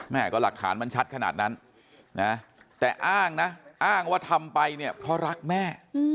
แม่ก็หลักฐานมันชัดขนาดนั้นนะแต่อ้างนะอ้างว่าทำไปเนี่ยเพราะรักแม่